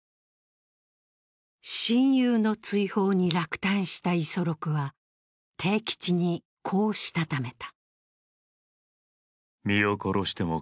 親友の追放に落胆した五十六は悌吉に、こうしたためた。